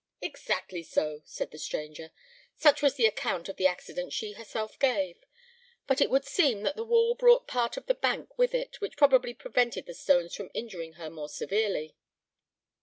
"Exactly so," said the stranger; "such was the account of the accident she herself gave; but it would seem that the wall brought part of the bank with it, which probably prevented the stones from injuring her more severely."